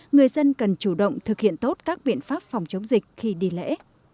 người dân cần chủ động thực hiện tốt các biện pháp phòng chống dịch khi đi lễ